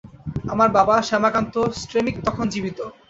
আমার বাবা শ্যামাকান্ত স্ট্রেমিক তখন জীবিত।